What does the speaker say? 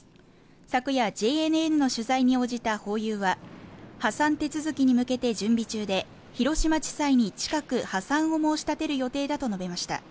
昨夜ＪＮＮの取材に応じたホーユーは破産手続きに向けて準備中で広島地裁に近く破産を申し立てる予定だと述べました